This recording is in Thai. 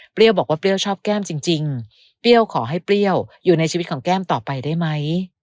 บอกว่าเปรี้ยวชอบแก้มจริงเปรี้ยวขอให้เปรี้ยวอยู่ในชีวิตของแก้มต่อไปได้ไหม